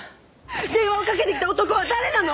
電話をかけてきた男は誰なの？